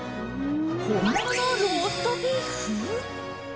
本物のローストビーフ？